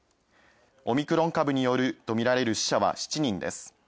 オミクロン株によるとみられる死者は７人です。